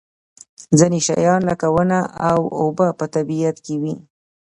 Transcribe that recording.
ځینې شیان لکه ونه او اوبه په طبیعت کې وي.